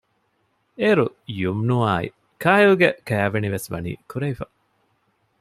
އޭރު ޔުމްނުއާއި ކައިލްގެ ކާވެނިވެސް ވަނީ ކުރެވިފަ